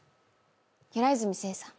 平泉成さん。